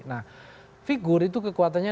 nah figur itu kekuatannya